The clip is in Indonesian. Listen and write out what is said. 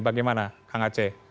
bagaimana kang aceh